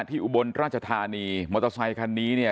อุบลราชธานีมอเตอร์ไซคันนี้เนี่ย